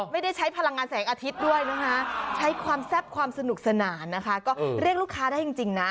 ไม่ได้ใช้พลังงานแสงอาทิตย์ด้วยนะคะใช้ความแซ่บความสนุกสนานนะคะก็เรียกลูกค้าได้จริงนะ